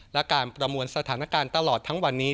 และการประมวลสถานการณ์ตลอดทั้งวันนี้